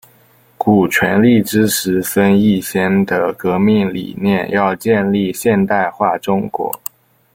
古全力支持孙逸仙的革命理念要建立现代化中国。